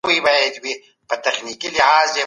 خاوند دي په سفر کي د خپل ميلان مطابق ميرمن نه ملګرې کوي.